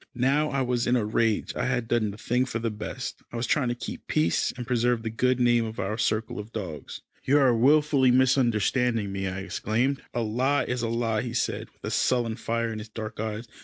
Now I was in a rage. I had done the thing for the best. I was trying to keep peace, and preserve the good name of our circle of dogs. "You are wilfully misunderstanding me," I exclaimed. "A lie is a lie," he said, with a sullen fire in his dark eyes.